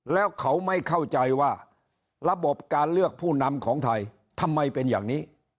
แล้วเขาไม่เข้าใจว่าระบบการเลือกผู้นำของไทยทำไมเป็นอย่างนี้